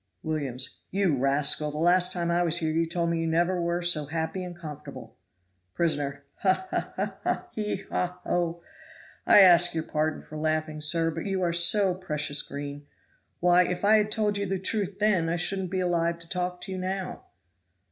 Williams. "You rascal, the last time I was here you told me you never were so happy and comfortable." Prisoner. "Ha! ha! ha! ha! he! he! haw! haw! ho! I ask your pardon for laughing, sir; but you are so precious green. Why, if I had told you the truth then I shouldn't be alive to talk to you now."